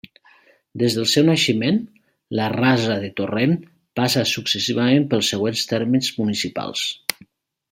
Des del seu naixement, la Rasa del Torrent passa successivament pels següents termes municipals.